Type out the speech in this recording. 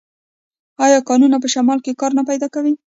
آیا کانونه په شمال کې کار نه پیدا کوي؟